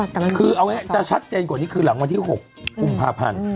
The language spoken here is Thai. แต่ชัดเจนกว่านี้คือหลังวันที่๖คุมภาพภัณฑ์